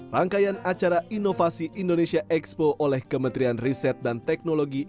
rangkaian acara inovasi indonesia expo oleh kementerian riset dan teknologi